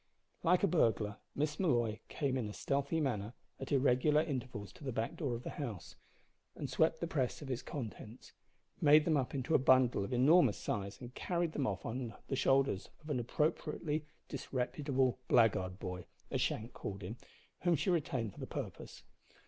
Like a burglar Miss Molloy came in a stealthy manner at irregular intervals to the back door of the house, and swept the press of its contents, made them up into a bundle of enormous size, and carried them off on the shoulders of an appropriately disreputable blackguard boy as Shank called him whom she retained for the purpose.